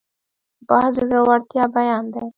باز د زړورتیا بیان دی